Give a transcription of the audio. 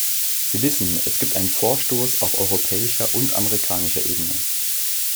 Sie wissen, es gibt einen Vorstoß auf europäischer und amerikanischer Ebene.